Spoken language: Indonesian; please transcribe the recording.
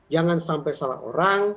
jangan sampai salah orang